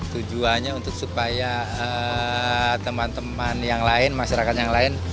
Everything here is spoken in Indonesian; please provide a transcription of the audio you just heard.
tujuannya untuk supaya teman teman yang lain masyarakat yang lain